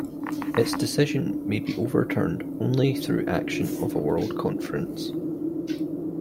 Its decisions may be overturned only through action of a World Conference.